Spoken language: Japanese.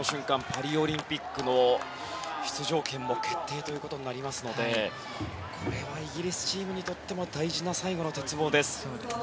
パリオリンピックの出場権も決定ということになりますのでこれはイギリスチームにとっても大事な最後の鉄棒です。